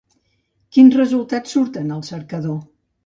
Quins resultats surten al cercador?